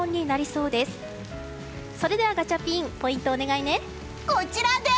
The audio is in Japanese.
それではガチャピンポイントをお願いね。